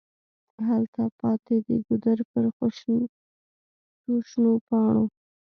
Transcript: هلته پاتي د ګودر پر څوشنو پاڼو